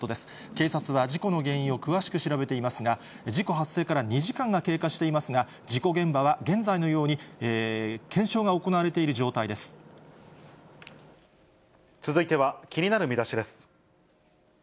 警察は事故の原因を詳しく調べていますが、事故発生から２時間が経過していますが、事故現場は現在のように、続いては気になるミダシです。